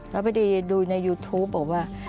แล้วพอดีดูในยูทูปบอกว่า